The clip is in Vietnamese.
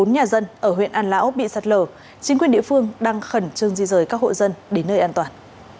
bốn nhà dân ở huyện an lão bị sạt lở chính quyền địa phương đang khẩn trương di rời các hộ dân đến nơi an toàn